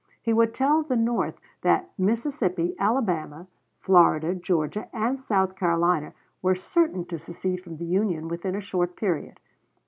He would tell the North that Mississippi, Alabama, Florida, Georgia, and South Carolina were certain to secede from the Union within a short period.